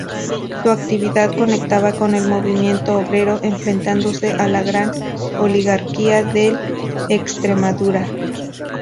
Su actividad conectaba con el movimiento obrero, enfrentándose a la gran oligarquía de Extremadura.